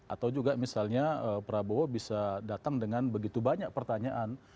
atau juga misalnya prabowo bisa datang dengan begitu banyak pertanyaan